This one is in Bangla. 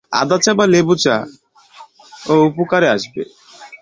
আদা চা বা লেবু চা ও উপকারে আসবে।